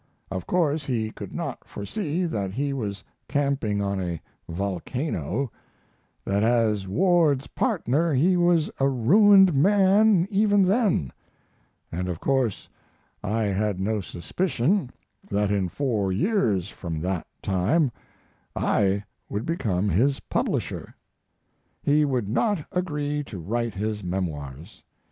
Of course he could not foresee that he was camping on a volcano; that as Ward's partner he was a ruined man even then, and of course I had no suspicion that in four years from that time I would become his publisher. He would not agree to write his memoirs.